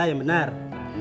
assalamualaikumclous pak boy